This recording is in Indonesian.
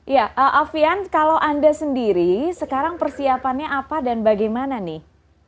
ya alfian kalau anda sendiri sekarang persiapannya apa dan bagaimana nih